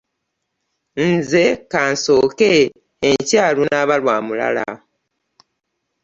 Nze ka nsooke, enkya lunaba lwa mulala.